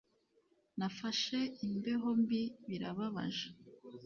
"Nafashe imbeho mbi." "Birababaje."